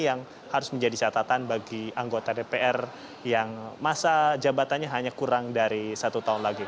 yang harus menjadi catatan bagi anggota dpr yang masa jabatannya hanya kurang dari satu tahun lagi